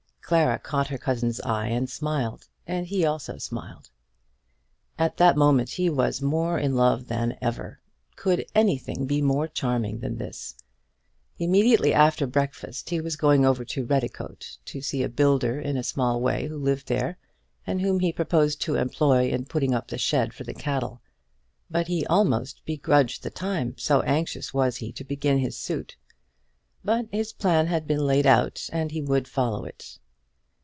Clara caught her cousin's eye and smiled, and he also smiled. At that moment he was more in love than ever. Could anything be more charming than this? Immediately after breakfast he was going over to Redicote, to see a builder in a small way who lived there, and whom he proposed to employ in putting up the shed for the cattle; but he almost begrudged the time, so anxious was he to begin his suit. But his plan had been laid out and he would follow it.